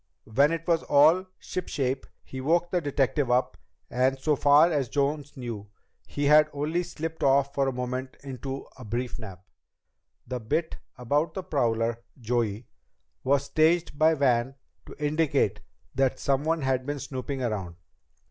"When it was all shipshape, he woke the detective up, and so far as Jones knew he had only slipped off for a moment into a brief nap. The bit about the prowler, Joey, was staged by Van to indicate that someone had been snooping around.